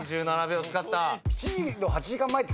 ２７秒使った。